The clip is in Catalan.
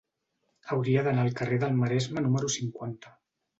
Hauria d'anar al carrer del Maresme número cinquanta.